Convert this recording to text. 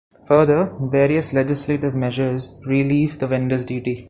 Further, various legislative measures relieve the vendor's duty.